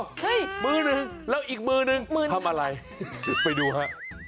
มือหนึ่งแล้วอีกมือหนึ่งมือทำอะไรไปดูฮะ